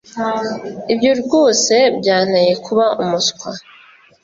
ibyo rwose byanteye kuba umuswa